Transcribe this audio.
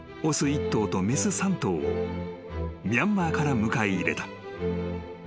１頭と雌３頭をミャンマーから迎え入れた］